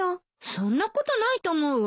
そんなことないと思うわ。